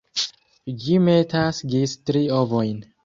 Ĝi metas gis tri ovojn.